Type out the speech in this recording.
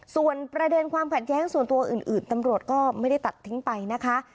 ส่วนประเด็นความขัดแย้งส่วนตัวอื่นตำรวจก็ไม่ได้ตัดทิ้งไปนะคะ